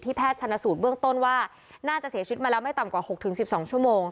แพทย์ชนสูตรเบื้องต้นว่าน่าจะเสียชีวิตมาแล้วไม่ต่ำกว่า๖๑๒ชั่วโมง